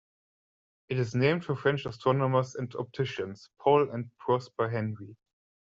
It is named for French astronomers and opticians, Paul and Prosper Henry.